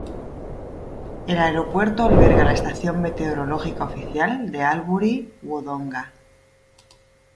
El aeropuerto alberga la estación meteorológica oficial de Albury-Wodonga.